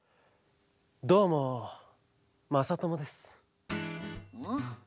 どうもまさともです。